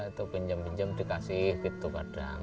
atau pinjam pinjam dikasih gitu kadang